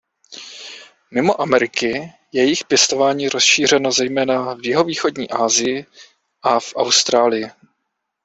Mimo Ameriky je jejich pěstování rozšířeno zejména v jihovýchodní Asii a v Austrálii.